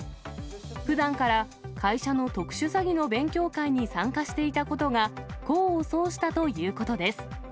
ふだんから会社の特殊詐欺の勉強会に参加していたことが、功を奏したということです。